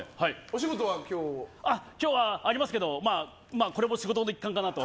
今日はありますけどこれも仕事の一環かなと。